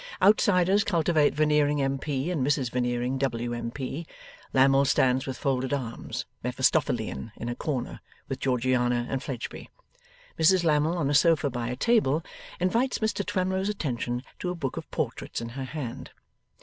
Outsiders cultivate Veneering, M P., and Mrs Veneering, W.M.P. Lammle stands with folded arms, Mephistophelean in a corner, with Georgiana and Fledgeby. Mrs Lammle, on a sofa by a table, invites Mr Twemlow's attention to a book of portraits in her hand.